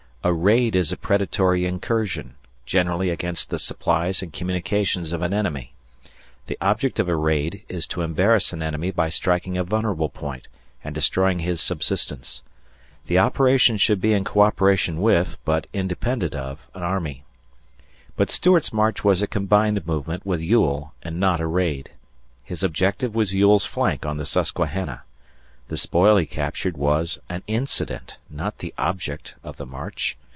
A raid is a predatory incursion, generally against the supplies and communications of an enemy. The object of a raid is to embarrass an enemy by striking a vulnerable point and destroying his subsistence. The operation should be in coöperation with, but independent of, an army. But Stuart's march was a combined movement with Ewell and not a raid. His objective was Ewell's flank on the Susquehanna. The spoil he captured was an incident, not the object, of the march.